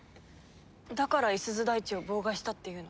だから五十鈴大智を妨害したっていうの？